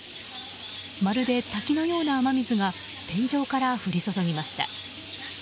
まるで滝のような雨水が天井から降り注ぎました。